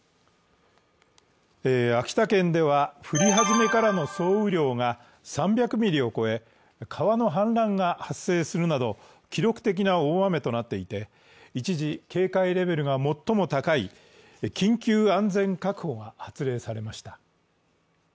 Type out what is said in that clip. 秋田県では降り始めからの総雨量が３００ミリを超え、川の氾濫が発生するなど記録的な大雨となっていて一時、警戒レベルが最も高い緊急安全確保が発令されました。